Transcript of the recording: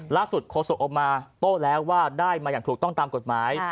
โคศกออกมาโต้แล้วว่าได้มาอย่างถูกต้องตามกฎหมาย